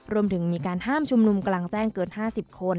รวมถึงมีการห้ามชุมนุมกำลังแจ้งเกิน๕๐คน